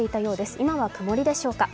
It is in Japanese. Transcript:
今は曇りでしょうか。